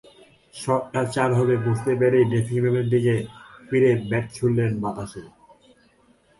শটটা চার হবে বুঝতে পেরেই ড্রেসিং রুমের দিকে ফিরে ব্যাট ছুড়লেন বাতাসে।